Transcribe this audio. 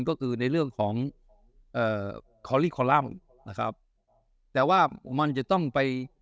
ก็คือในเรื่องของเอ่อคอลลี่คอลัมป์นะครับแต่ว่ามันจะต้องไป